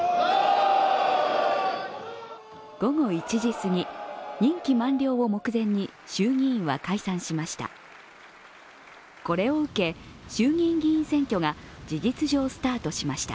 午後１時すぎ任期満了を目前に衆議院は解散しました。